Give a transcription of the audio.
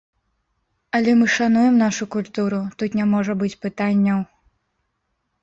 Але мы шануем нашу культуру, тут не можа быць пытанняў.